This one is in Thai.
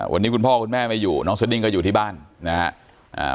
วันนี้คุณพ่อคุณแม่ไม่อยู่น้องสดิ้งก็อยู่ที่บ้านนะครับ